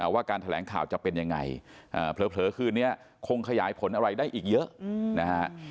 ว่าการแถลงข่าวจะเป็นยังไงเผลอคืนนี้คงขยายผลอะไรได้อีกเยอะนะฮะ